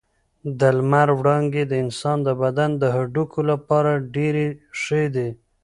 د لمر وړانګې د انسان د بدن د هډوکو لپاره ډېرې ښې دي.